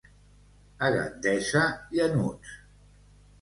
A Gandesa, llanuts.